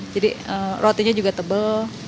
jadi rotinya juga tebal